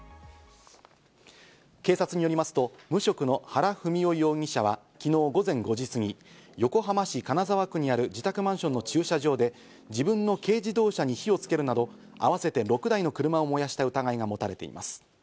警察によりますと、無職の原文雄容疑者は、昨日午前５時すぎ、横浜市金沢区にある自宅マンションの駐車場で自分の軽自動車に火をつけるなど、合わせて６台の車を燃やした疑いが持たれています。